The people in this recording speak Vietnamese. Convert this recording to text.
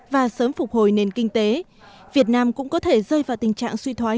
và sớm phục hồi nền kinh tế việt nam cũng có thể rơi vào tình trạng suy thoái